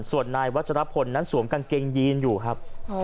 ส่วนนายวัชรพลนั้นสวมกางเกงยีนอยู่ครับ